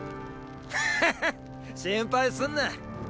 ッハハ心配すんな。